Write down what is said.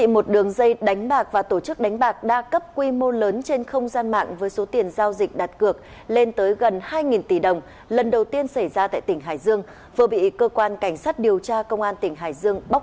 một đường dây đánh bạc và tổ chức đánh bạc đa cấp quy mô lớn trên không gian mạng với số tiền giao dịch đặt cược lên tới gần hai tỷ đồng lần đầu tiên xảy ra tại tỉnh hải dương vừa bị cơ quan cảnh sát điều tra công an tỉnh hải dương